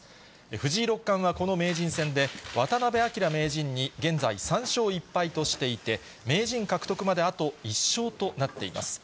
藤井六冠はこの名人戦で、渡辺明名人に現在、３勝１敗としていて、名人獲得まであと１勝となっています。